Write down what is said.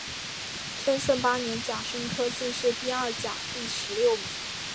天顺八年甲申科进士第二甲第十六名。